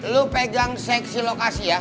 lu pegang seksi lokasi ya